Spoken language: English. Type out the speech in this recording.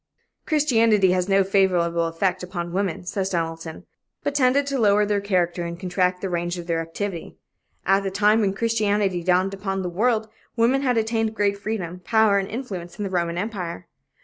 "Christianity had no favorable effect upon women," says Donaldson, "but tended to lower their character and contract the range of their activity. At the time when Christianity dawned upon the world, women had attained great freedom, power and influence in the Roman empire.